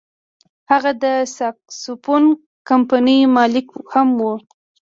هغه د ساکسوفون کمپنیو مالک هم و.